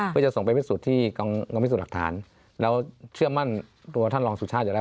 เพื่อจะส่งไปพิสูจน์ที่กองพิสูจน์หลักฐานแล้วเชื่อมั่นตัวท่านรองสุชาติอยู่แล้ว